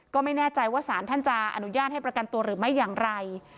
ก็ไม่แน่ใจว่าสารท่านจะอนุญาตให้ประกันตัวหรือไม่อย่างไร